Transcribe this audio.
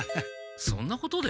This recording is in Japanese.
そんなことで？